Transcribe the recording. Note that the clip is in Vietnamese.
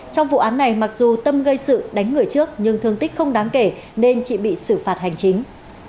trong vụ án này mặc dù tâm gây sự đánh người trước nhưng thương tích không đáng kể nên chị bị xử phạt hành chính